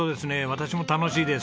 私も楽しいです。